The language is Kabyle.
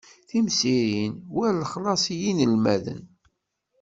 Timsirin war lexlaṣ i yinelmaden.